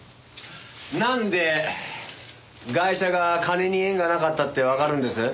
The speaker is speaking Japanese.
なんでガイシャが金に縁がなかったってわかるんです？